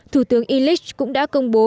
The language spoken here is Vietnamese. thủ tướng bill english cũng đã công bố